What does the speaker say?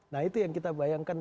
nah itu yang kita bayangkan